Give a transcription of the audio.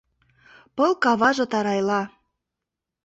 Пыл-каваже тарайла.